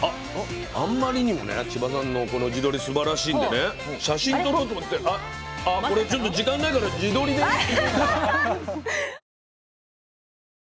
あんまりにもね千葉さんのこの地鶏すばらしいんでね写真撮ろうと思ってあこれ時間ないから「自撮り」でいこうか。